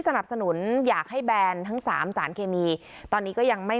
สนับสนุนอยากให้แบนทั้งสามสารเคมีตอนนี้ก็ยังไม่